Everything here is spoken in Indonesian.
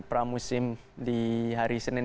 pramusim di hari senin